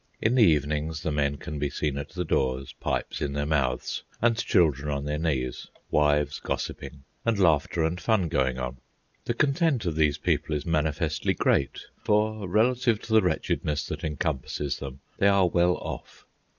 In the evenings the men can be seen at the doors, pipes in their mouths and children on their knees, wives gossiping, and laughter and fun going on. The content of these people is manifestly great, for, relative to the wretchedness that encompasses them, they are well off.